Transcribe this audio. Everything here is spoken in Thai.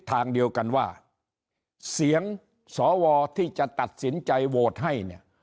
ทางเดียวกันว่าเสียงสวที่จะตัดสินใจโหวตให้เนี่ย